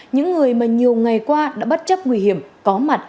những người mà nhiều ngày qua đã bất chấp nguy hiểm có mặt